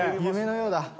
夢のようだ。